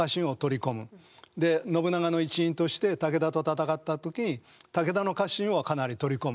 で信長の一員として武田と戦った時に武田の家臣をかなり取り込む。